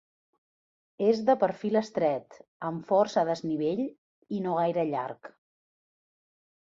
És de perfil estret, amb força desnivell i no gaire llarg.